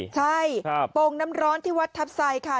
ใช่โป่งน้ำร้อนที่วัดทัพไซค่ะ